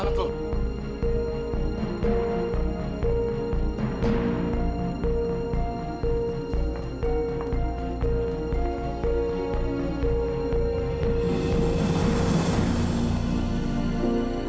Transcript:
ingatlah aku ma